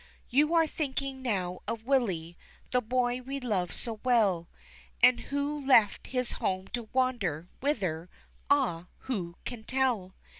You are thinking now of Willie, the boy we loved so well, And who left his home to wander whither Ah, who can tell!